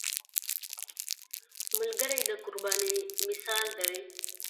ملګری د قربانۍ مثال دی